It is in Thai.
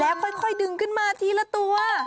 แล้วค่อยดึงขึ้นมาทีละตัว